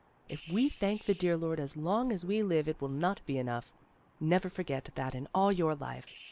If we thank the dear Lord as long as we live it will not be enough. Never forget that in all your life!